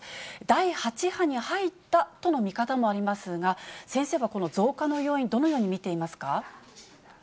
第８波に入ったとの見方もありますが、先生はこの増加の要因、どのように見ていますか。